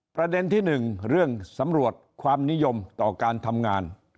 ประเด็นที่๑เรื่องสำรวจความนิยมต่อการทำงาน